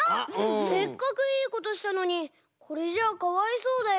せっかくいいことしたのにこれじゃあかわいそうだよ。